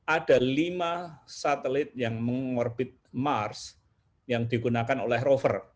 ada lima satelit yang mengorbit mars yang digunakan oleh rover